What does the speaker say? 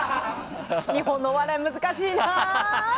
日本のお笑い難しいな。